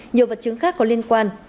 nhiều vật chứng khác có liên quan